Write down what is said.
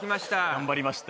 頑張りました